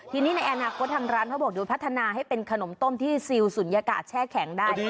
ทีนี้ในอนาคตทางร้านเขาบอกโดยพัฒนาให้เป็นขนมต้มที่ซิลศูนยากาศแช่แข็งได้